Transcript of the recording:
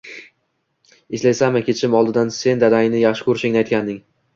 Eslaysanmi, ketishim oldidan sen dadangni yaxshi ko`rishingni aytganding